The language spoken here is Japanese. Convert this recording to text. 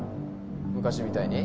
昔みたいに？